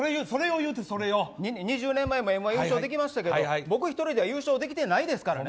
２０年前も「Ｍ‐１」優勝できましたけど僕１人では優勝できてないですからね。